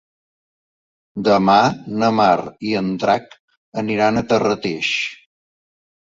Demà na Mar i en Drac aniran a Terrateig.